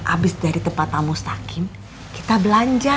abis dari tempat tamu mustaqim kita belanja